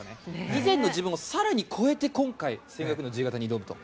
以前の自分を更に超えて１５００の自由形に挑むと。